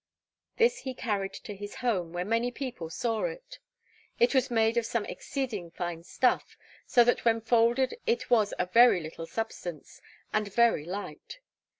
This he carried to his home, where many people saw it. 'It was made of some exceeding fine stuff, so that when folded it was a very little substance, and very light.'